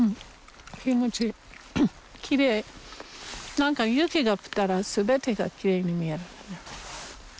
何か雪が降ったら全てがきれいに見える。